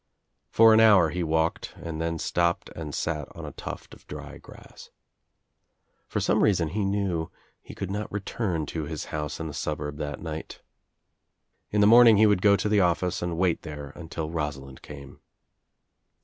For an hour he walked and then stopped and sat on a tuft of dry grass. For some reason he knew he could not return to his house in the suburb that night. In the morning he would go to the office and wait there until Rosalind came.